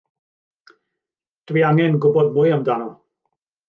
Dwi angen gwybod mwy amdano.